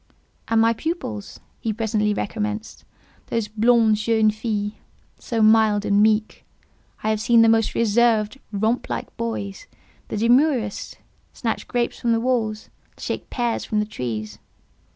"And my pupils," he presently recommenced, "those blondes jeunes filles—so mild and meek—I have seen the most reserved—romp like boys, the demurest—snatch grapes from the walls, shake pears from the trees.